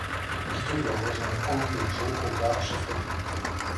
Vito doit rejoindre Henri et Joe au bar Chez Freddy.